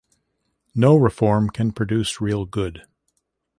No reform can produce real good.